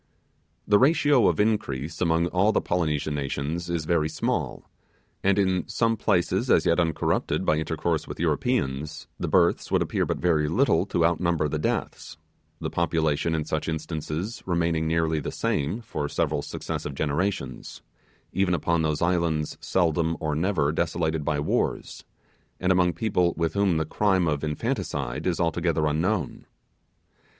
The ratio of increase among all the Polynesian nations is very small; and in some places as yet uncorrupted by intercourse with Europeans, the births would appear not very little to outnumber the deaths; the population in such instances remaining nearly the same for several successive generations, even upon those islands seldom or never desolated by wars, and among people with whom the crime of infanticide is altogether unknown.